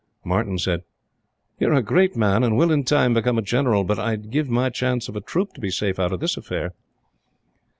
Martyn said: "you are a great man and will in time become a General; but I'd give my chance of a troop to be safe out of this affair."